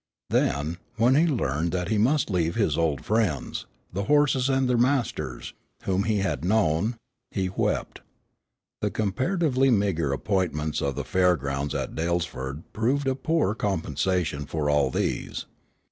Then, when he learned that he must leave his old friends, the horses and their masters, whom he had known, he wept. The comparatively meagre appointments of the Fair grounds at Dalesford proved a poor compensation for all these.